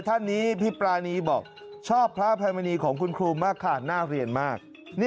ท่านนี้พี่ปรานีบอกชอบพระอภัยมณีของคุณครูมากค่ะน่าเรียนมาก